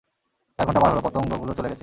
চার ঘন্টা পার হলো, পতংগগুলো চলে গেছে।